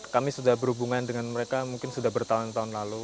kami sudah berhubungan dengan mereka mungkin sudah bertahun tahun lalu